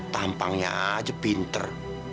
tampangnya aja pinter